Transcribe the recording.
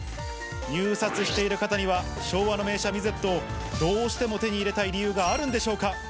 入札している方には、昭和の名車、ミゼットをどうしても手に入れたい理由があるんでしょうか？